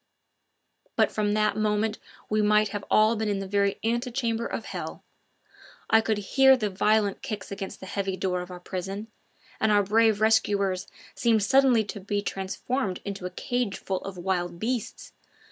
But from that moment we might have all been in the very ante chamber of hell. I could hear the violent kicks against the heavy door of our prison, and our brave rescuers seemed suddenly to be transformed into a cageful of wild beasts.